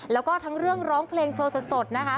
แล้วก็ทั้งเรื่องร้องเพลงโชว์สดนะคะ